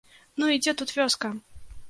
Ну і дзе тут вёска?